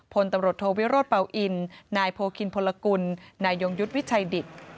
พลตำรวจโทวิโรธเป่าอินนายโพคินพลกุลนายยงยุทธ์วิชัยดิต